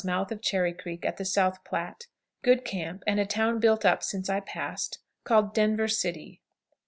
Mouth of Cherry Creek, at the South Platte. Good camp, and a town built up since I passed, called "Denver City."